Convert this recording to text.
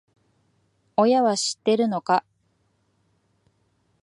親は知ってるのか？